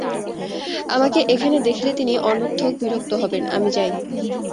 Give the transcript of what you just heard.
আমাকে এখানে দেখলে তিনি অনর্থক বিরক্ত হবেন, আমি যাই।